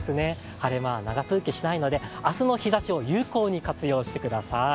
晴れ間は長続きしないので明日の日ざしを有効に活用してください。